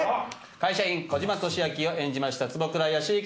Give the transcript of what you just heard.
会社員児嶋俊明を演じました坪倉由幸です。